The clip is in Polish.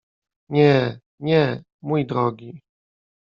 — Nie, nie, mój drogi!